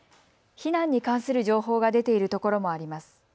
避難に関する情報が出ているところもあります。